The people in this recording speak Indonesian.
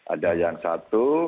ada yang satu